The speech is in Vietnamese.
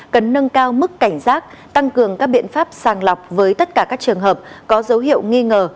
cần nâng cao mức cảnh giác tăng cường các biện pháp sàng lọc với tất cả các trường hợp có dấu hiệu nghi ngờ